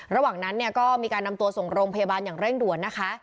ระหว่างนั้นเนี่ยก็มีการนำตัวส่งโรงพยาบาลอย่างเร่งด่วนนะคะ